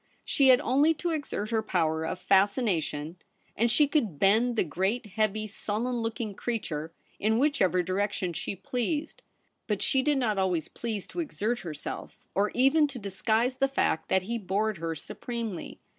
She had only to exert her power of fascina 14—2 212 THE REBEL ROSE. tion, and she could bend the great, heavy, sullen looking creature in whichever direction she pleased. But she did not always please to exert herself, or even to disguise the fact that he bored her supremely.